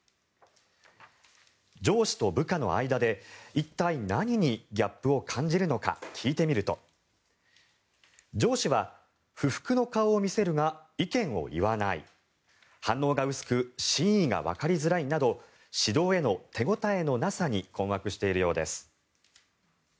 上司と部下の間で一体、何にギャップを感じるのか聞いてみると上司は、不服の顔を見せるが意見を言わない反応が薄く真意がわかりづらいなど指導への手応えのなさに困惑しているようです。